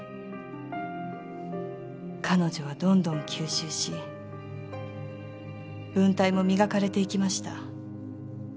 彼女はどんどん吸収し文体も磨かれていきました。